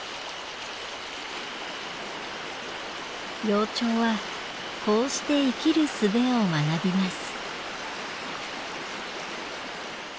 幼鳥はこうして生きる術を学びます。